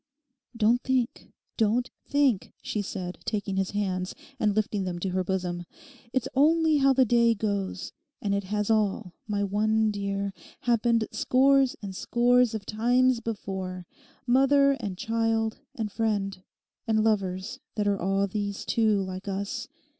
'Don't think, don't think,' she said, taking his hands, and lifting them to her bosom. 'It's only how the day goes; and it has all, my one dear, happened scores and scores of times before—mother and child and friend—and lovers that are all these too, like us.